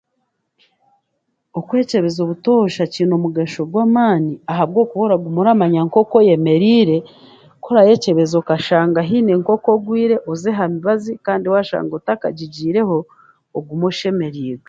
Okwekyebeza obutoosha kiine omugasho gw'amaani ahabwokuba oraguma oramanya nk'oku oyeemereire korayekyebeza okashanga haine nk'oku ogwire oza aha mibazi kandi waashanga otakagigiireho ogume oshemereirwe